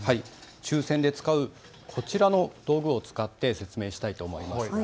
抽せんで使うこちらの道具を使って説明したいと思います。